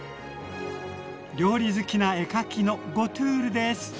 料理好きな絵描きのゴトゥールです。